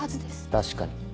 確かに。